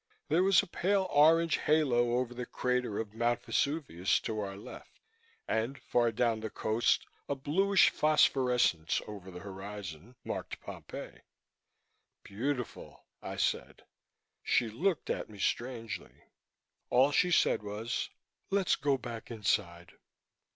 There was a pale orange halo over the crater of Mount Vesuvius, to our left; and far down the coast a bluish phosphorescence, over the horizon, marked Pompeii. "Beautiful," I said. She looked at me strangely. All she said was, "Let's go back inside."